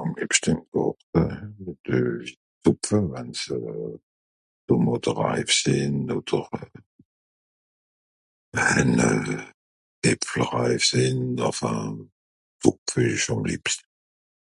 àm lebschte ìm gàrte deuw'isch t'sopfe euh wann se tomàte reif sìn oder euh kleine äfpel reif sìn einfin t'sopfe hàw'isch àm liebs